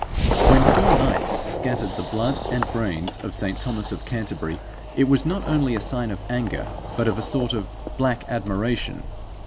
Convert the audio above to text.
When four knights scattered the blood and brains of St. Thomas of Canterbury, it was not only a sign of anger but of a sort of black admiration.